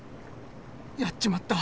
やっちまった。